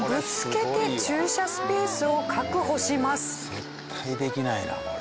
絶対できないなこれ。